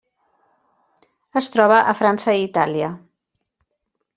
Es troba a França i Itàlia.